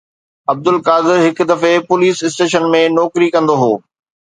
عبدالقادر هڪ دفعي police station ۾ نوڪري ڪندو هو